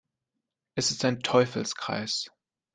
Es ist ein Teufelskreis.